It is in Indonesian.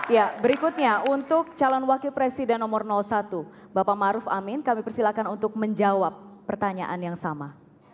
ya berikutnya untuk calon wakil presiden nomor satu bapak maruf amin kami persilakan untuk menjawab pertanyaan yang sama